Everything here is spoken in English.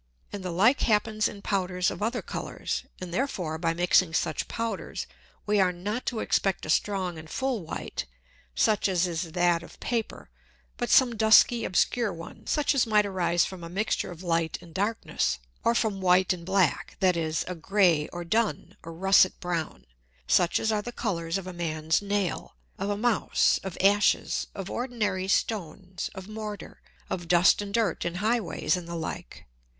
And the like happens in Powders of other Colours. And therefore by mixing such Powders, we are not to expect a strong and full White, such as is that of Paper, but some dusky obscure one, such as might arise from a Mixture of Light and Darkness, or from white and black, that is, a grey, or dun, or russet brown, such as are the Colours of a Man's Nail, of a Mouse, of Ashes, of ordinary Stones, of Mortar, of Dust and Dirt in High ways, and the like.